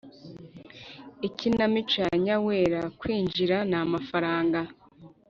ikinamico ya nyawera kwinjira ni amafaranga,